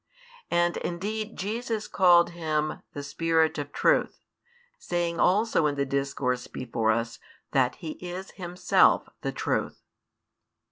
And indeed Jesus called Him the Spirit of Truth, saying also in the discourse before us that He is Himself the Truth.